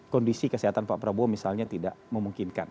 kondisi kesehatan pak prabowo misalnya tidak memungkinkan